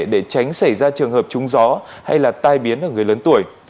để tránh xảy ra trường hợp trung gió hay là tai biến ở người lớn tuổi